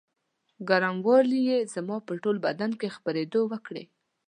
ګرموالي یې زما په ټول بدن کې خپرېدو وکړې.